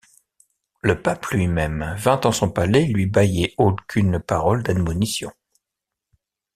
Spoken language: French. Le Pape luy-mesme vint en son palais luy bailler aulcunes paroles d’admonition.